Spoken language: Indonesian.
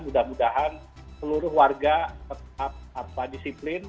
mudah mudahan seluruh warga tetap disiplin